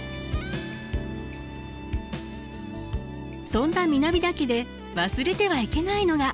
そんな南田家で忘れてはいけないのが。